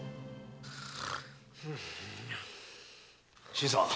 新さん！